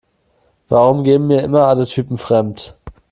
Warum gehen mir immer alle Typen fremd?